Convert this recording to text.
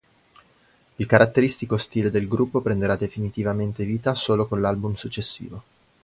Il caratteristico stile del gruppo prenderà definitivamente vita solo con l'album successivo.